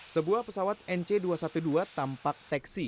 sebuah pesawat nc dua ratus dua belas tampak teksi